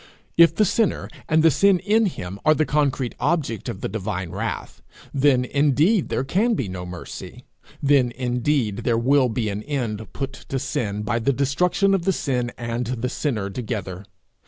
If the sinner and the sin in him, are the concrete object of the divine wrath, then indeed there can be no mercy. Then indeed there will be an end put to sin by the destruction of the sin and the sinner together.